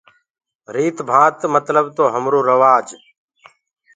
ريٚت ڀانت متلب تو همريٚ سڪآڦت ڪآ هي؟